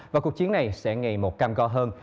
và cuộc chiến này sẽ ngày một cam go hơn